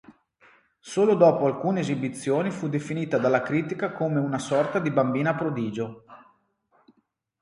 Solo dopo alcune esibizioni fu definita dalla critica come una sorta di "bambina prodigio".